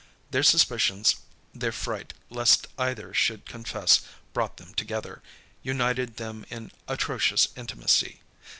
Their suspicions, their fright lest either should confess, brought them together, united them in atrocious intimacy.